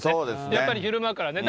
やっぱり昼間からね。